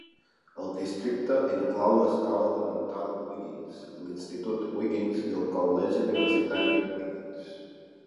El districte inclou l'escola elemental Wiggins, l'Institut Wiggins i el Col·legi Universitari Wiggins.